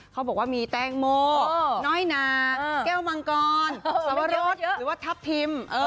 เขาบอกว่ามีแตงโมน้อยนาแก้วมังกรสวรสหรือว่าทัพทิม